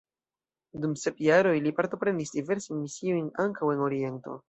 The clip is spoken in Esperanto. Dum sep jaroj li partoprenis diversajn misiojn, ankaŭ en oriento.